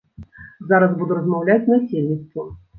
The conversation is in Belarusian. Зараз буду размаўляць з насельніцтвам.